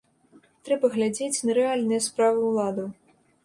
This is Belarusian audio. Трэба глядзець на рэальныя справы ўладаў.